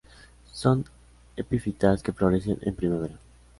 Son epífitas que florecen en primavera.